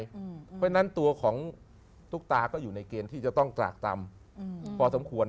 เพราะฉะนั้นตัวของตุ๊กตาก็อยู่ในเกณฑ์ที่จะต้องตรากต่ำพอสมควร